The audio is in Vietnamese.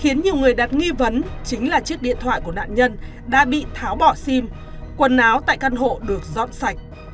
khiến nhiều người đặt nghi vấn chính là chiếc điện thoại của nạn nhân đã bị tháo bỏ sim quần áo tại căn hộ được dọn sạch